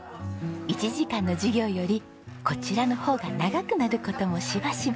１時間の授業よりこちらの方が長くなる事もしばしば。